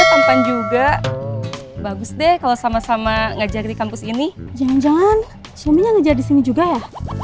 tampan juga bagus deh kalau sama sama ngajar di kampus ini jangan jangan suaminya ngajar di sini juga ya